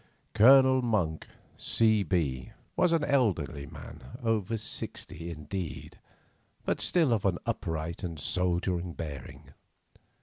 Colonel Monk, C.B., was an elderly man, over sixty indeed, but still of an upright and soldierly bearing.